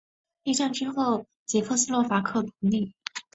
一战之后捷克斯洛伐克独立。